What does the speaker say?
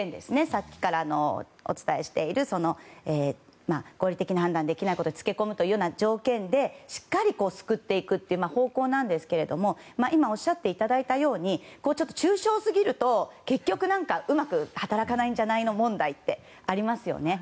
さっきからお伝えしている合理的な判断をできないことにつけ込むというような条件で、しっかり救っていくという方向なんですが今おっしゃっていただいたように抽象すぎると結局、うまく働かないんじゃないの問題ってありますよね。